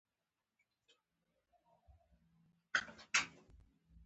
سوالګر د زړه نه سوال کوي